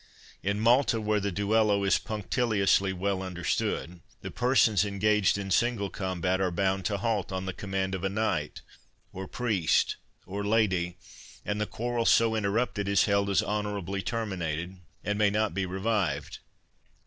In Malta, where the duello is punctiliously well understood, the persons engaged in a single combat are bound to halt on the command of a knight, or priest, or lady, and the quarrel so interrupted is held as honourably terminated, and may not be revived.